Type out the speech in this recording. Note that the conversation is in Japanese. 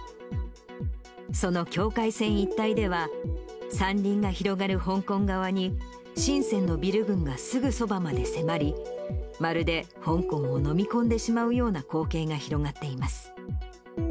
その境界線一帯では、山林が広がる香港側に、深せんのビル群がすぐそばまで迫り、まるで香港を飲み込んでしまうような光景が広がっています。